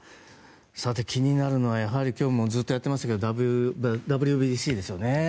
さて、気になるのはやはり今日もずっとやってましたがＷＢＣですよね。